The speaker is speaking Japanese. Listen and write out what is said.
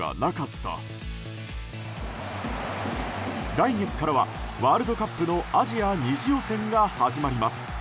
来月からはワールドカップのアジア２次予選が始まります。